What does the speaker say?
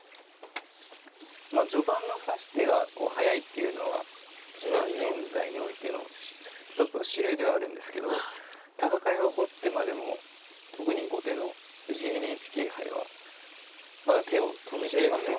まあ序盤の指し手が速いっていうのは現在においての一つの主流ではあるんですけど戦いが起こってまでも特に後手の藤井ＮＨＫ杯はまだ手を止めていませんので。